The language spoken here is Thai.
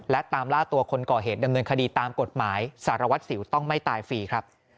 และตามล่าตัวคนก่อเหตุดำเนินคดีตามกฎหมายสารวัตรสิวต้องไม่ตายฟรีครับ